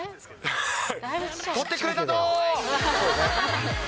取ってくれたどー。